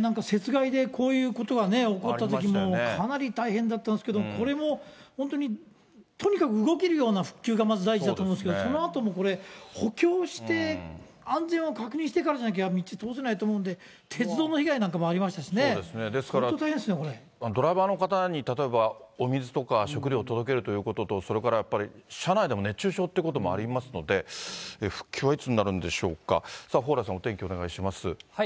なんか雪害でこういうことは起こったときもかなり大変だったんですけど、これも本当に、とにかく動けるような復旧が、まず第一だと思うんですけど、そのあともこれ、補強して、安全を確認してからじゃなきゃ道、通せないと思うんで、鉄道の被害なんかもありましたしね、ですから、ドライバーの方に例えば、お水とか食料、届けるということと、それからやっぱり車内でも熱中症ということもありますので、復旧はいつになるんでしょうか、蓬莱さん、お天気お願いします。